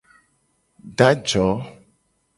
Do ajo.